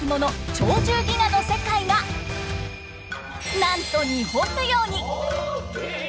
「鳥獣戯画」の世界がなんと日本舞踊に！